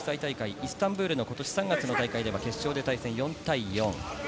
イスタンブールの今年３月の大会では決勝で対戦、４対４。